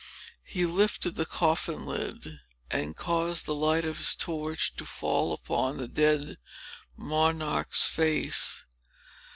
He lifted the coffin lid, and caused the light of his torch to fall upon the dead monarch's face.